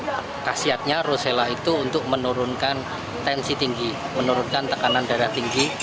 jadi kasiatnya rosella itu untuk menurunkan tensi tinggi menurunkan tekanan darah tinggi